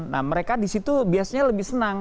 nah mereka disitu biasanya lebih senang